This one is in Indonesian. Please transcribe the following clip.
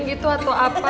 gitu atau apa